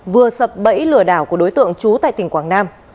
vừa sập bẫy lửa đảo của đối tượng chú tại tỉnh quảng nam